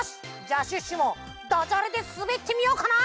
じゃあシュッシュもだじゃれですべってみようかな？